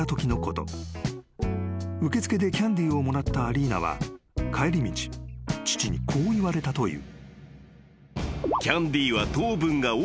［受付でキャンディーをもらったアリーナは帰り道父にこう言われたという］